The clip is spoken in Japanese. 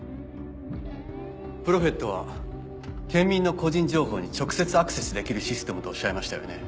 プロフェットは県民の個人情報に直接アクセスできるシステムとおっしゃいましたよね？